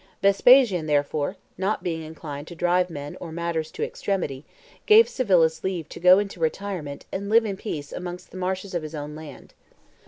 Vespasian, therefore, not being inclined to drive men or matters to extremity, gave Civilis leave to go into retirement and live in peace amongst the marshes of his own land.